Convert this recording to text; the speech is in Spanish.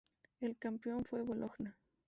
El campeón fue Bologna.